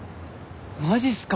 マジっすか？